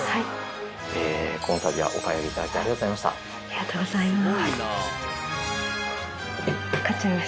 ありがとうございます。